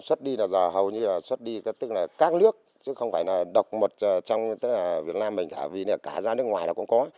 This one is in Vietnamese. xuất đi là giờ hầu như là xuất đi tức là các nước chứ không phải là độc mật trong tức là việt nam mình cả vì cả ra nước ngoài là cũng có